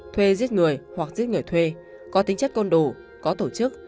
thuê giết người hoặc giết người thuê có tính chất côn đồ có tổ chức